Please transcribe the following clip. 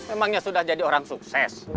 emangnya sudah jadi orang sukses